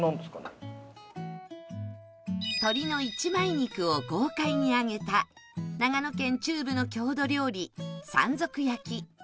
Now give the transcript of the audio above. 鶏の一枚肉を豪快に揚げた長野県中部の郷土料理山賊焼き